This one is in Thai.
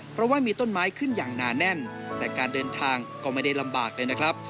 เพราะว่ามีต้นไม้ขึ้นอย่างหนาแน่นแต่การเดินทางก็ไม่ได้ลำบากเลยนะครับ